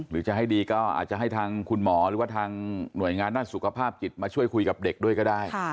หรือจะให้ดีก็อาจจะให้ทางคุณหมอหรือว่าทางหน่วยงานด้านสุขภาพจิตมาช่วยคุยกับเด็กด้วยก็ได้